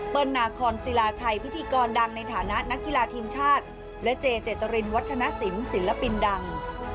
นาคอนศิลาชัยพิธีกรดังในฐานะนักกีฬาทีมชาติและเจเจตรินวัฒนศิลป์ศิลปินดัง